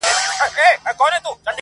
د وخت پاچا زما اته ي دي غلا كړي.